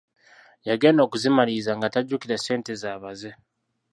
Yagenda okuzimaliriza nga tajjukira ssente z'abaze!